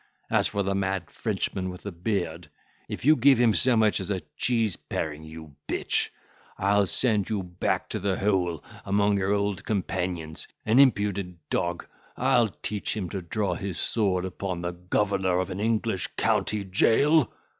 As for the mad Frenchman with the beard, if you give him so much as a cheese paring, you b—ch, I'll send you back to the hole, among your old companions; an impudent dog! I'll teach him to draw his sword upon the governor of an English county jail.